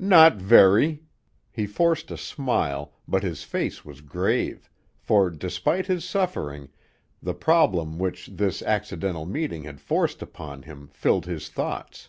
"Not very." He forced a smile, but his face was grave, for, despite his suffering, the problem which this accidental meeting had forced upon him filled his thoughts.